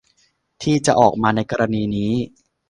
ที่จะออกมาในกรณีนี้